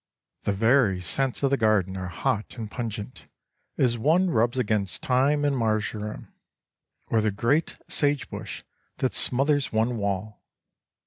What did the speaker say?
The very scents of the garden are hot and pungent, as one rubs against thyme and marjoram, or the great sage bush that smothers one wall.